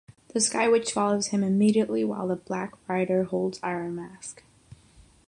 The Skywitch follows him immediately while the Black Rider holds Iron Mask.